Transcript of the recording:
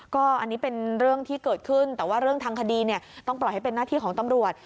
ก็อันนี้เป็นเรื่องที่เกิดขึ้นแต่ว่าเรื่องทางคดีเนี่ยต้องปล่อยให้เป็นหน้าที่ของตำรวจ